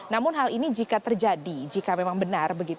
namun hal ini jika terjadi jika memang benar